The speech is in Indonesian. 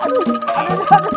aduh aduh aduh